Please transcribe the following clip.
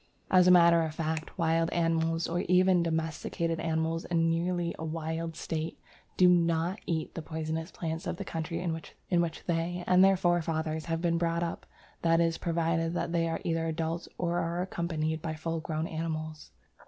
As a matter of fact, wild animals, or even domesticated animals in nearly a wild state, do not eat the poisonous plants of the country in which they and their forefathers have been brought up that is provided that they are either adult or are accompanied by full grown animals.